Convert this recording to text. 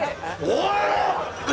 おい！